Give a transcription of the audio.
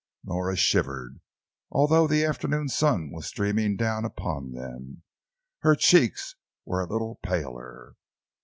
Nora shivered, although the afternoon sun was streaming down upon them. Her cheeks were a little paler.